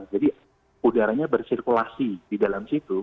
jadi udaranya bersirkulasi di dalam situ